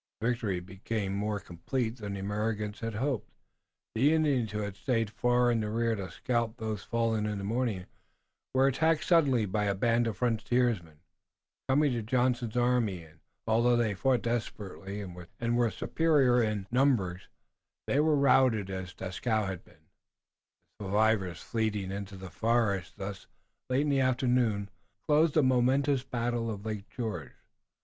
The victory became more complete than the Americans had hoped. The Indians who had stayed far in the rear to scalp those fallen in the morning were attacked suddenly by a band of frontiersmen, coming to join Johnson's army, and, although they fought desperately and were superior in numbers, they were routed as Dieskau had been, the survivors fleeing into the forest. Thus, late in the afternoon, closed the momentous battle of Lake George.